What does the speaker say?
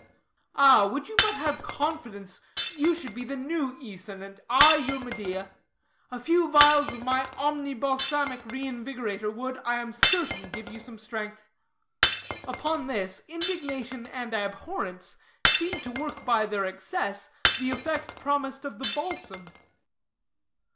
Ah, would you but have confidence, you should be the new Æson, and I your Medea. A few vials of my Omni Balsamic Reinvigorator would, I am certain, give you some strength." Upon this, indignation and abhorrence seemed to work by their excess the effect promised of the balsam.